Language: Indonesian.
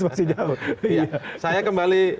masih jauh saya kembali